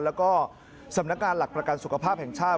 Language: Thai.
แล้วก็สำนักงานหลักประกันสุขภาพแห่งชาติ